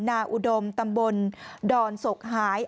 อุดมตำบลดอนศกหาย